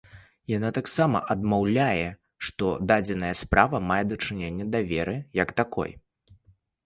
Яна таксама адмаўляе, што дадзеная справа мае дачыненне да веры як такой.